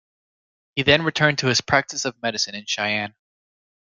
He then returned to his practice of medicine in Cheyenne.